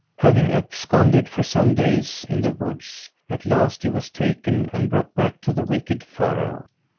Having absconded, for some days, in the woods, at last he was taken, and brought back to the wicked Pharaoh.